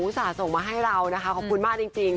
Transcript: ส่าห์ส่งมาให้เรานะคะขอบคุณมากจริง